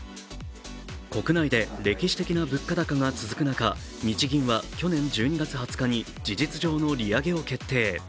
国内で歴史的な物価高が続く中、日銀は去年１２月２０日に事実上の利上げを決定。